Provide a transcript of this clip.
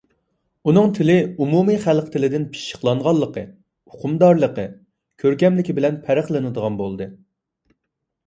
ئۇنىڭ تىلى ئومۇمىي خەلق تىلىدىن پىششىقلانغانلىقى، ئۇقۇمدارلىقى، كۆركەملىكى بىلەن پەرقلىنىدىغان بولدى.